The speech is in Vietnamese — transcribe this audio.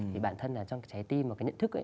thì bản thân trong trái tim và cái nhận thức